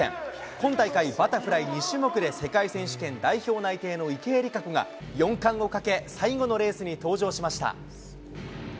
今大会、バタフライ２種目で世界選手権代表内定の池江璃花子が、４冠をかけ、最後のレースに登場しました。